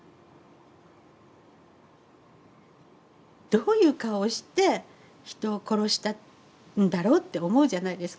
どういう顔をして人を殺したんだろうって思うじゃないですか。